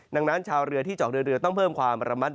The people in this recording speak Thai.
ดังนั้นชาวเรือที่เจาะเรือต้องเพิ่มความระมัดระวัง